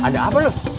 ada apa lu